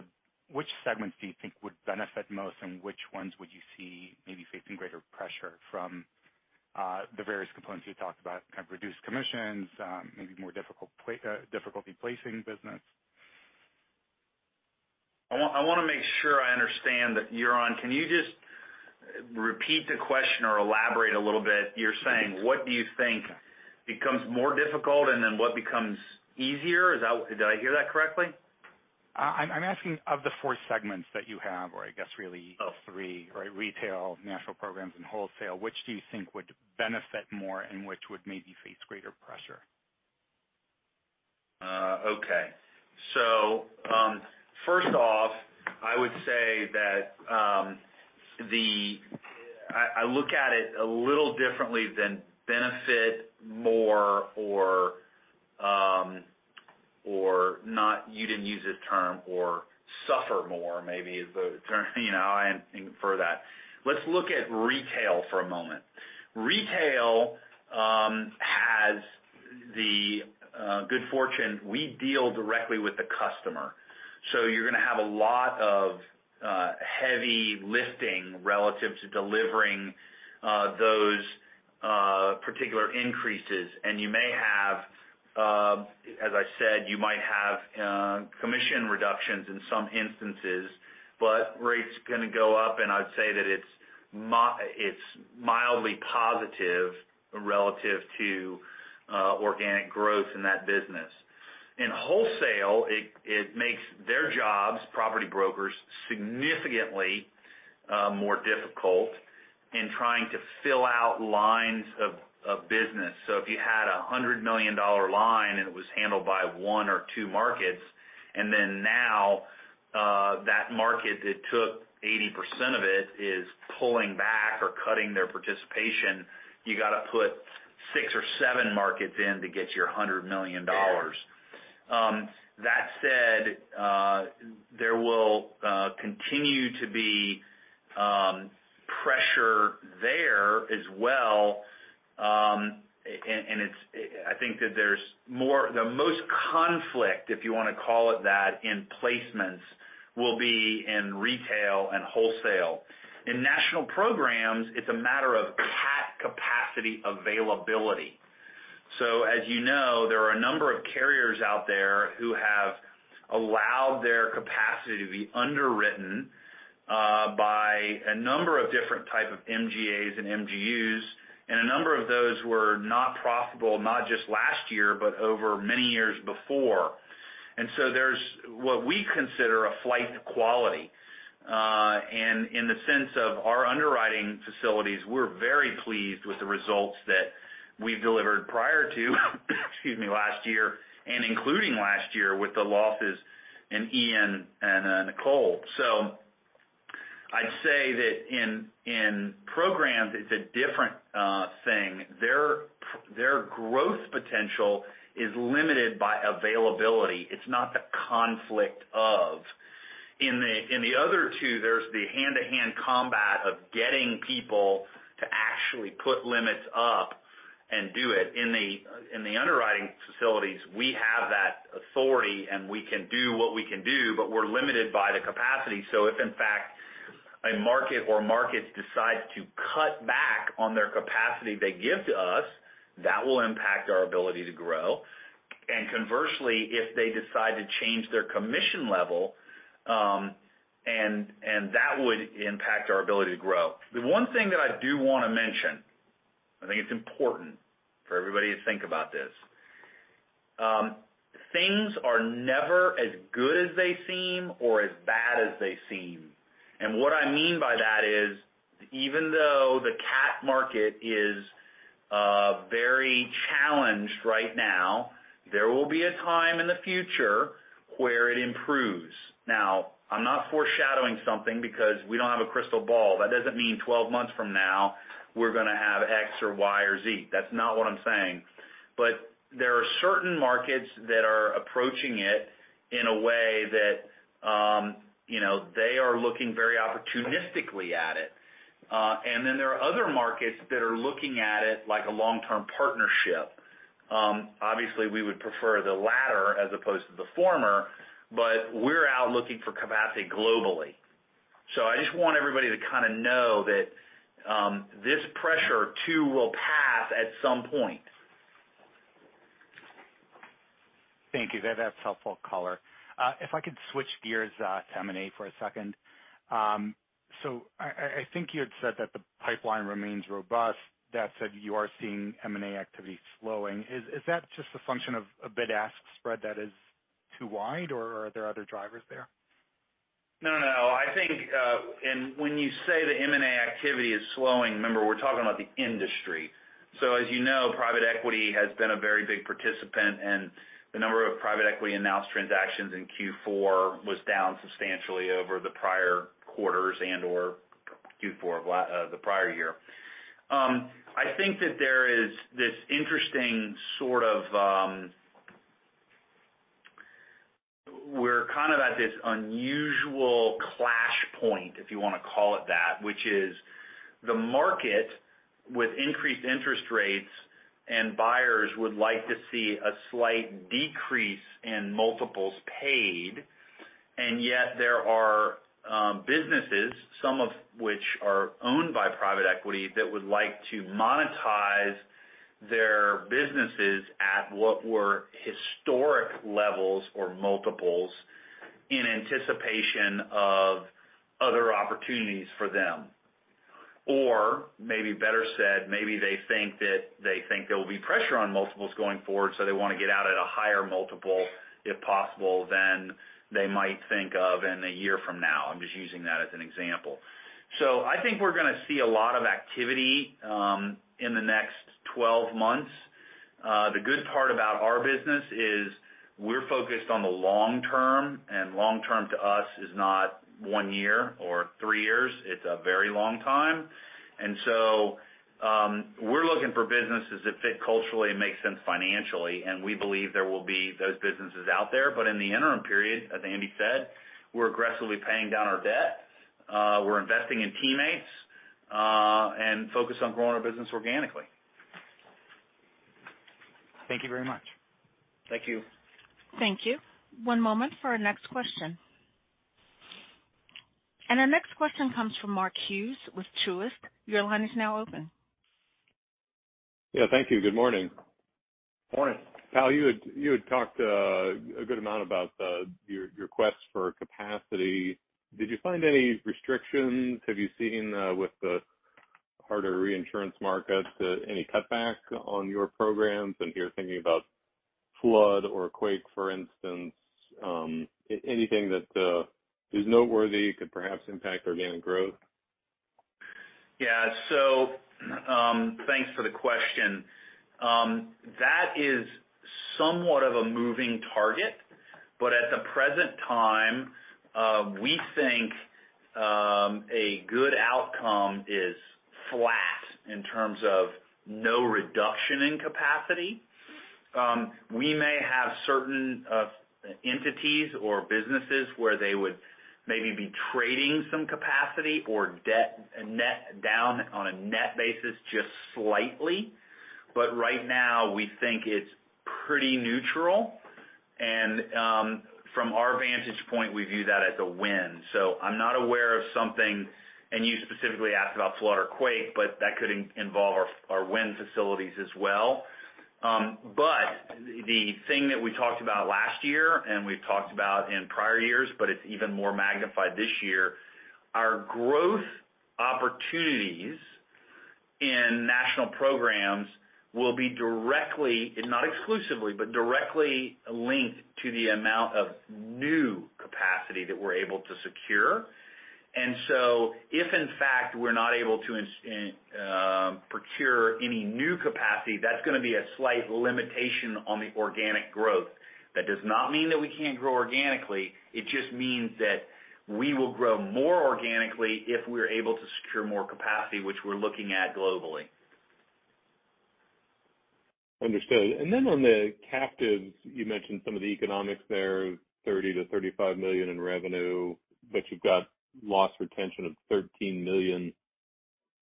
which segments do you think would benefit most and which ones would you see maybe facing greater pressure from the various components you talked about, kind of reduced commissions, maybe more difficult difficulty placing business? I wanna make sure I understand that, Yaron. Can you just repeat the question or elaborate a little bit? You're saying, what do you think becomes more difficult and then what becomes easier? Is that what did I hear that correctly? I'm asking of the four segments that you have, or I guess really three, right, Retail, National Programs, and Wholesale, which do you think would benefit more and which would maybe face greater pressure? Okay. First off, I look at it a little differently than benefit more or not, you didn't use this term, or suffer more maybe is the term. You know, I didn't mean for that. Let's look at Retail for a moment. Retail has the good fortune. We deal directly with the customer, so you're gonna have a lot of heavy lifting relative to delivering those particular increases. You may have, as I said, you might have commission reductions in some instances. Rates gonna go up, and I'd say that it's mildly positive relative to organic growth in that business. In Wholesale, it makes their jobs, property brokers, significantly more difficult in trying to fill out lines of business. If you had a $100 million line and it was handled by one or two markets, and then now, that market that took 80% of it is pulling back or cutting their participation, you gotta put six or seven markets in to get your $100 million. That said, there will continue to be pressure there as well, and I think that there's more the most conflict, if you wanna call it that, in placements will be in Retail and Wholesale. In National Programs, it's a matter of CAT capacity availability. As you know, there are a number of carriers out there who have allowed their capacity to be underwritten, by a number of different type of MGAs and MGUs, and a number of those were not profitable, not just last year, but over many years before. There's what we consider a flight to quality. and in the sense of our underwriting facilities, we're very pleased with the results that we've delivered prior to, excuse me, last year and including last year with the losses in Ian and then Nicole. I'd say that in programs, it's a different thing. Their growth potential is limited by availability. It's not the conflict of. In the, in the other two, there's the hand-to-hand combat of getting people to actually put limits up and do it. In the, in the underwriting facilities, we have that authority, and we can do what we can do, but we're limited by the capacity. if in fact, a market or markets decide to cut back on their capacity they give to us, that will impact our ability to grow. Conversely, if they decide to change their commission level, and that would impact our ability to grow. The one thing that I do wanna mention, I think it's important for everybody to think about this. Things are never as good as they seem or as bad as they seem. What I mean by that is, even though the CAT market is very challenged right now, there will be a time in the future where it improves. I'm not foreshadowing something because we don't have a crystal ball. That doesn't mean 12 months from now we're gonna have X or Y or Z. That's not what I'm saying. There are certain markets that are approaching it in a way that, you know, they are looking very opportunistically at it. There are other markets that are looking at it like a long-term partnership. Obviously we would prefer the latter as opposed to the former, but we're out looking for capacity globally. I just want everybody to kinda know that this pressure too will pass at some point. Thank you. That's helpful color. If I could switch gears to M&A for a second. I think you had said that the pipeline remains robust. That said, you are seeing M&A activity slowing. Is that just a function of a bid-ask spread that is too wide, or are there other drivers there? No, no. I think, and when you say the M&A activity is slowing, remember, we're talking about the industry. As you know, private equity has been a very big participant, and the number of private equity announced transactions in Q4 was down substantially over the prior quarters and/or Q4 of the prior year. I think that there is this interesting sort of... We're kind of at this unusual clash point, if you wanna call it that, which is the market with increased interest rates, and buyers would like to see a slight decrease in multiples paid. Yet there are businesses, some of which are owned by private equity, that would like to monetize their businesses at what were historic levels or multiples in anticipation of other opportunities for them. Maybe better said, maybe they think that they think there will be pressure on multiples going forward, so they wanna get out at a higher multiple, if possible, than they might think of in a year from now. I'm just using that as an example. I think we're gonna see a lot of activity, in the next 12 months. The good part about our business is we're focused on the long term, and long term to us is not one year or three years. It's a very long time. So, we're looking for businesses that fit culturally and make sense financially, and we believe there will be those businesses out there. In the interim period, as Andy said, we're aggressively paying down our debt. We're investing in teammates, and focused on growing our business organically. Thank you very much. Thank you. Thank you. One moment for our next question. Our next question comes from Mark Hughes with Truist. Your line is now open. Yeah, thank you. Good morning. Morning. Powell, you had talked a good amount about your quest for capacity. Did you find any restrictions? Have you seen with the harder reinsurance markets any cutback on your programs, here thinking about flood or quake, for instance? Anything that is noteworthy could perhaps impact organic growth? Yeah. Thanks for the question. That is somewhat of a moving target, but at the present time, we think a good outcome is flat in terms of no reduction in capacity. We may have certain entities or businesses where they would maybe be trading some capacity or debt net down on a net basis just slightly. Right now we think it's pretty neutral. From our vantage point, we view that as a win. I'm not aware of something, and you specifically asked about flood or quake, but that could involve our wind facilities as well. The thing that we talked about last year, and we've talked about in prior years, but it's even more magnified this year, our growth opportunities in National Programs will be directly, and not exclusively, but directly linked to the amount of new capacity that we're able to secure. If in fact we're not able to procure any new capacity, that's gonna be a slight limitation on the organic growth. That does not mean that we can't grow organically. It just means that we will grow more organically if we're able to secure more capacity, which we're looking at globally. Understood. On the captives, you mentioned some of the economics there, $30 million-$35 million in revenue, but you've got loss retention of $13 million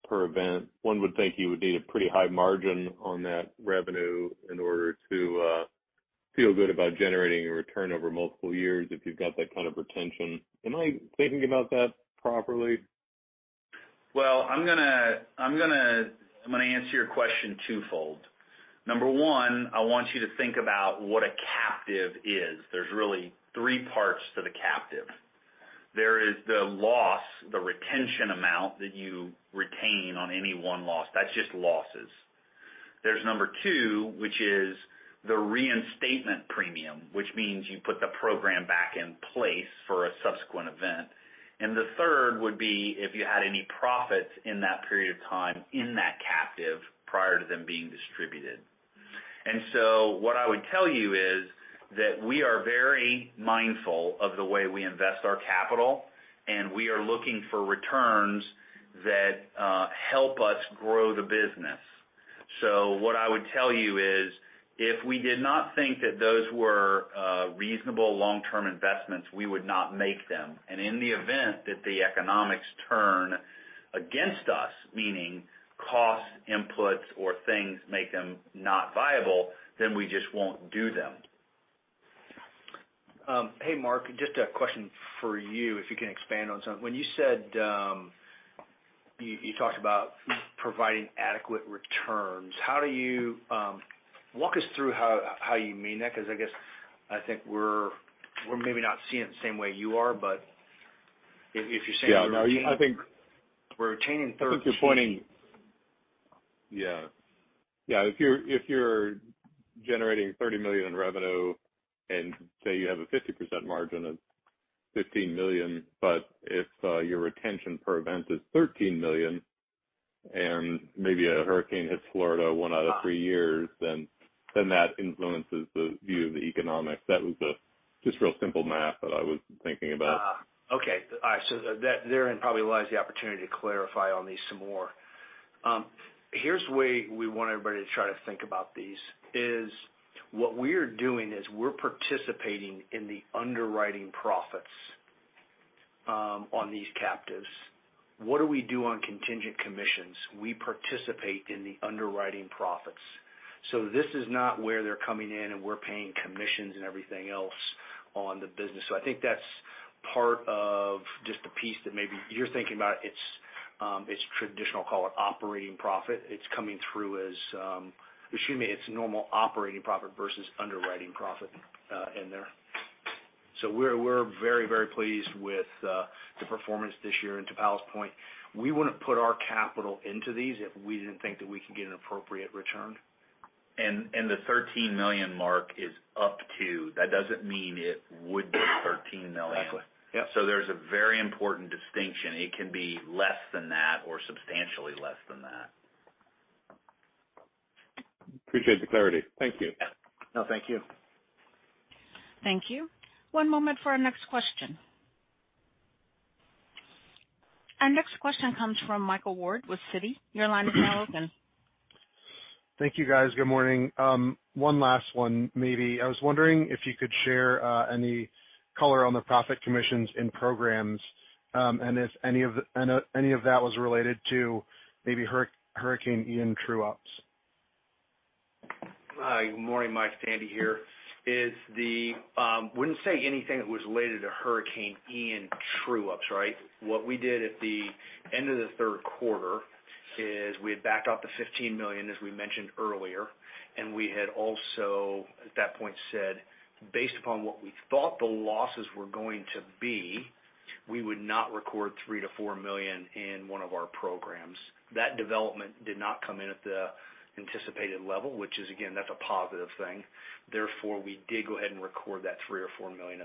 per event. One would think you would need a pretty high margin on that revenue in order to feel good about generating a return over multiple years if you've got that kind of retention. Am I thinking about that properly? Well, I'm gonna answer your question twofold. Number one, I want you to think about what a captive is. There's really three parts to the captive. There is the loss, the retention amount that you retain on any one loss. That's just losses. There's number two, which is the reinstatement premium, which means you put the program back in place for a subsequent event. The third would be if you had any profits in that period of time in that captive prior to them being distributed. What I would tell you is that we are very mindful of the way we invest our capital, and we are looking for returns that help us grow the business. What I would tell you is if we did not think that those were reasonable long-term investments, we would not make them. In the event that the economics turn against us, meaning cost inputs or things make them not viable, then we just won't do them. Hey, Mark, just a question for you, if you can expand on something. When you said you talked about providing adequate returns, how do you walk us through how you mean that? Because I guess I think we're maybe not seeing it the same way you are, but if you're saying. Yeah. No. We're retaining I think you're pointing. Yeah. Yeah. If you're generating $30 million in revenue and say you have a 50% margin of $15 million, if your retention per event is $13 million and maybe a hurricane hits Florida one out of three years, then that influences the view of the economics. That was the just real simple math that I was thinking about. Okay. All right. Therein probably lies the opportunity to clarify on these some more. Here's the way we want everybody to try to think about these, is what we're doing is we're participating in the underwriting profits on these captives. What do we do on contingent commissions? We participate in the underwriting profits. This is not where they're coming in, and we're paying commissions and everything else on the business. I think that's part of just the piece that maybe you're thinking about. It's traditional, call it operating profit. It's coming through as, excuse me, it's normal operating profit versus underwriting profit in there. We're very, very pleased with the performance this year. To Powell's point, we wouldn't put our capital into these if we didn't think that we could get an appropriate return. The $13 million mark is up to. That doesn't mean it would be $13 million. Exactly. Yep. There's a very important distinction. It can be less than that or substantially less than that. Appreciate the clarity. Thank you. No, thank you. Thank you. One moment for our next question. Our next question comes from Michael Ward with Citi. Your line is now open. Thank you, guys. Good morning. One last one, maybe. I was wondering if you could share any color on the profit commissions in Programs, and if any of that was related to maybe Hurricane Ian true-ups? Hi. Good morning, Michael. Andy here. Is the wouldn't say anything that was related to Hurricane Ian true-ups, right? What we did at the end of the third quarter is we had backed off the $15 million, as we mentioned earlier, and we had also at that point said, based upon what we thought the losses were going to be, we would not record $3 million-$4 million in one of our programs. That development did not come in at the anticipated level, which is again, that's a positive thing. We did go ahead and record that $3 million or $4 million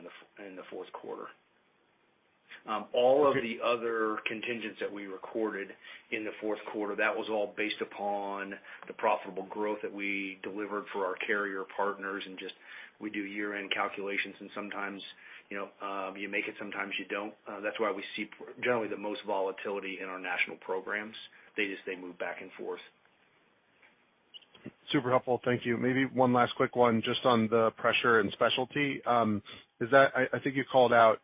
in the fourth quarter. All of the other contingents that we recorded in the fourth quarter, that was all based upon the profitable growth that we delivered for our carrier partners and just we do year-end calculations, and sometimes, you know, you make it, sometimes you don't. That's why we see generally the most volatility in our National Programs. They move back and forth. Super helpful. Thank you. Maybe one last quick one just on the pressure in specialty. I think you called out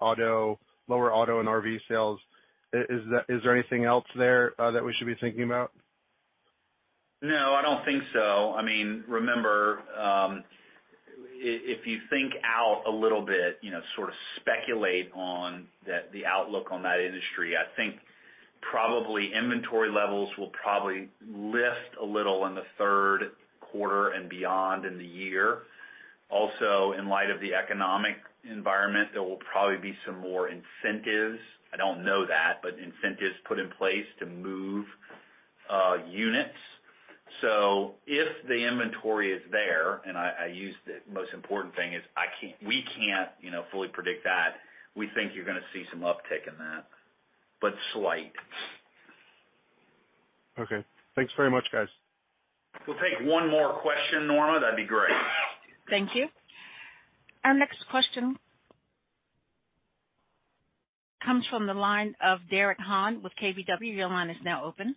auto, lower auto and RV sales. Is there anything else there that we should be thinking about? No, I don't think so. I mean, remember, if you think out a little bit, you know, sort of speculate on the outlook on that industry, I think probably inventory levels will probably lift a little in the third quarter and beyond in the year. Also, in light of the economic environment, there will probably be some more incentives. I don't know that, but incentives put in place to move units. If the inventory is there, and I use the most important thing is we can't, you know, fully predict that. We think you're gonna see some uptick in that, but slight. Okay. Thanks very much, guys. We'll take one more question, Norma. That'd be great. Thank you. Our next question comes from the line of Derek Han with KBW. Your line is now open.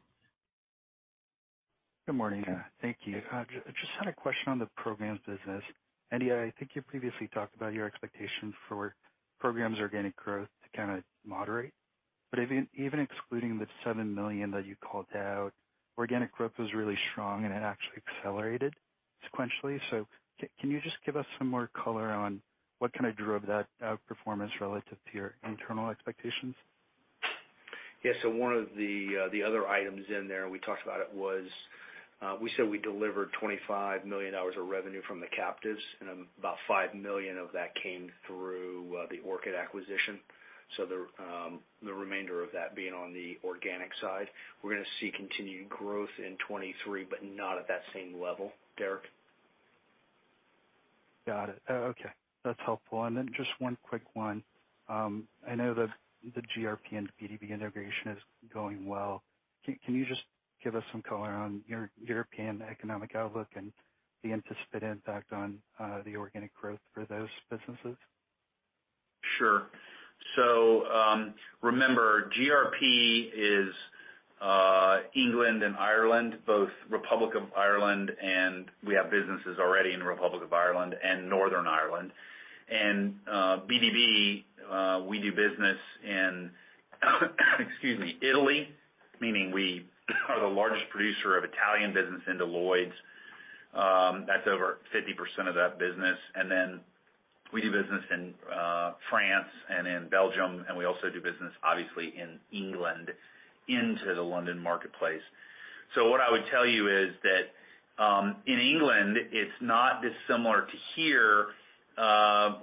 Good morning. Thank you. Just had a question on the Programs business. Andy, I think you previously talked about your expectation for Programs organic growth to kinda moderate. Even excluding the $7 million that you called out, organic growth was really strong, and it actually accelerated sequentially. Can you just give us some more color on what kind of drove that outperformance relative to your internal expectations? Yes. One of the other items in there we talked about it was, we said we delivered $25 million of revenue from the captives, and about $5 million of that came through, the Orchid acquisition. The, the remainder of that being on the organic side. We're gonna see continued growth in 2023, but not at that same level, Derek. Got it. Okay, that's helpful. Then just one quick one. I know the GRP and BdB integration is going well. Can you just give us some color on European economic outlook and the anticipated impact on the organic growth for those businesses? Sure. Remember, GRP is England and Ireland, both Republic of Ireland, and we have businesses already in the Republic of Ireland and Northern Ireland. BdB, we do business in Italy, meaning we are the largest producer of Italian business into Lloyd's. That's over 50% of that business. Then we do business in France and in Belgium, and we also do business, obviously, in England into the London marketplace. What I would tell you is that in England, it's not dissimilar to here,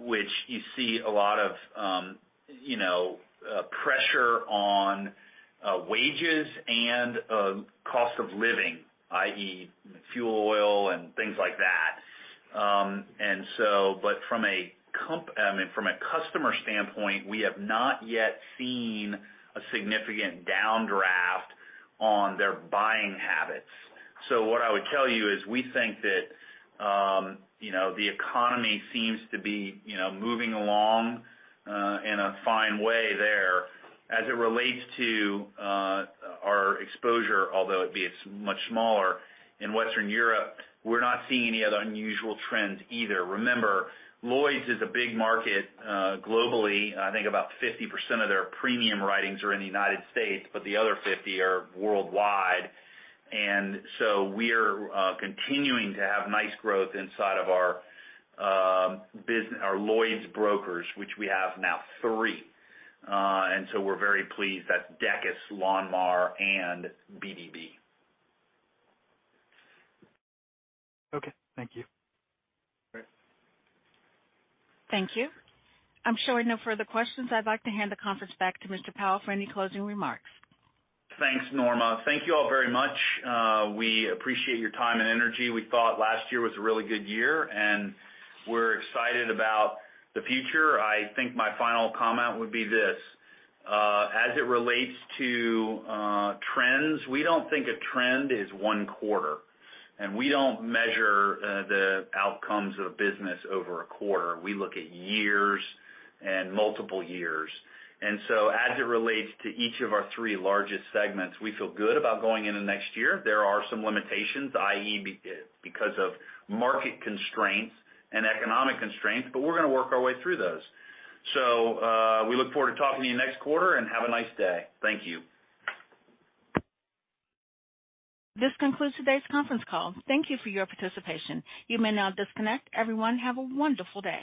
which you see a lot of, you know, pressure on wages and cost of living, i.e., fuel oil and things like that. But from a customer standpoint, we have not yet seen a significant downdraft on their buying habits. What I would tell you is, we think that, you know, the economy seems to be, you know, moving along in a fine way there. As it relates to our exposure, although it be much smaller in Western Europe, we're not seeing any other unusual trends either. Remember, Lloyd's is a big market globally. I think about 50% of their premium writings are in the United States, but the other 50 are worldwide. We are continuing to have nice growth inside of our Lloyd's brokers, which we have now three. We're very pleased. That's Decus, Lonmar, and BdB. Okay. Thank you. Great. Thank you. I'm showing no further questions. I'd like to hand the conference back to Mr. Powell for any closing remarks. Thanks, Norma. Thank you all very much. We appreciate your time and energy. We thought last year was a really good year, and we're excited about the future. I think my final comment would be this. As it relates to trends, we don't think a trend is one quarter, and we don't measure the outcomes of business over a quarter. We look at years and multiple years. As it relates to each of our three largest segments, we feel good about going into next year. There are some limitations, i.e., because of market constraints and economic constraints, we're gonna work our way through those. We look forward to talking to you next quarter, and have a nice day. Thank you. This concludes today's conference call. Thank you for your participation. You may now disconnect. Everyone, have a wonderful day.